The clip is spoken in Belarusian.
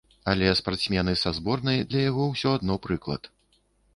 Але спартсмены са зборнай для яго ўсё адно прыклад.